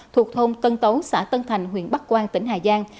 thuộc thôn tân tấu xã tân thành huyện bắc quang tỉnh hà giang